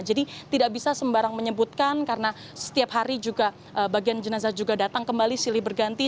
jadi tidak bisa sembarang menyebutkan karena setiap hari juga bagian jenazah juga datang kembali silih berganti